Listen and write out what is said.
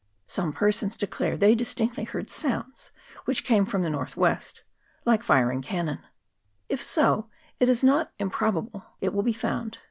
Some persons declare they distinctly heard sounds which came from the north west, like firing cannon ; if so, it is not improbable it will be found CHAP.